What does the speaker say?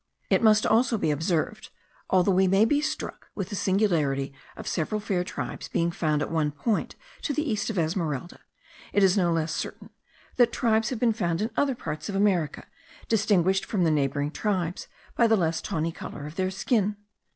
It must also be observed, although we may be struck with the singularity of several fair tribes being found at one point to the east of Esmeralda, it is no less certain, that tribes have been found in other parts of America, distinguished from the neighbouring tribes by the less tawny colour of their skin.